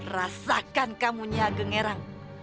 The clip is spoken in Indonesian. rasakan kamu nyai ageng ngerang